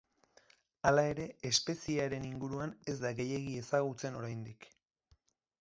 Hala ere espeziearen inguruan ez da gehiegi ezagutzen oraindik.